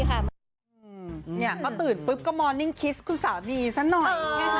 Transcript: ก็ตื่นปุ๊บก็ทราบคุณสาวนี่สักหน่อย